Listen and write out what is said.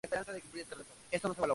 Nunca tiene otro color".